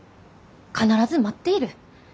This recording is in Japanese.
必ず待っている。